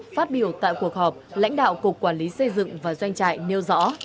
phát biểu tại cuộc họp lãnh đạo cục quản lý xây dựng và doanh trại nêu rõ